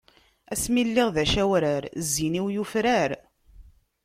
Asmi i lliɣ d acawrar, zzin-iw yufrar.